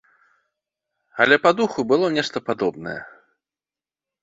Але па духу было нешта падобнае.